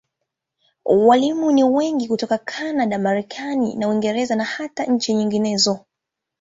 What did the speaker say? Walimu ni wengi hutoka Kanada, Marekani na Uingereza, na hata nchi nyinginezo.